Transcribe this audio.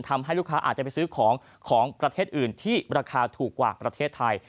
ทำให้ลูกค้าอาจจะไปซื้อของของประเทศอื่นที่ราคาถูกกว่าประเทศไทย